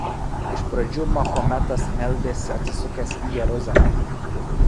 Iš pradžių Mahometas meldėsi atsisukęs į Jeruzalę.